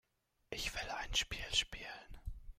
Ich will ein Spiel spielen.